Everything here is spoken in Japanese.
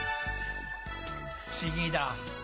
不思議だ。